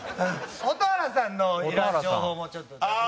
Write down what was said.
蛍原さんのいらん情報もちょっと。